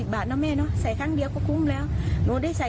บาทนะแม่เนอะใส่ครั้งเดียวก็คุ้มแล้วหนูได้ใส่